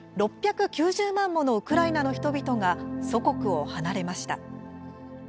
６９０万ものウクライナの人々が祖国を離れました。